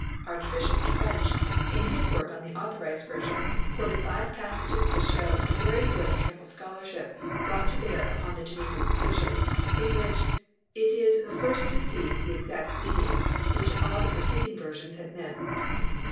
Archbishop Trench in his work on the Authorised Version quoted five passages to show "the very good and careful scholarship brought to bear upon the Genevan revision," in which " it is the first to seize the exact meaning... which all the preceding versions had missed."